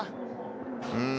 うん。